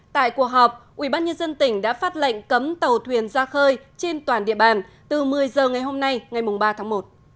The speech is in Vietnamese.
tại cuộc họp ubnd tỉnh đã phát lệnh cấm tàu thuyền ra khơi trên toàn địa bàn từ một mươi h ngày hôm nay ngày ba tháng một